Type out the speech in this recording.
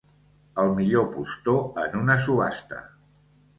El millor postor en una subhasta.